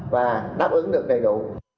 và đáp ứng được đầy đủ